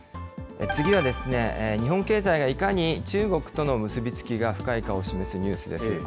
次は、日本経済がいかに中国との結び付きが深いかを示すニュースです。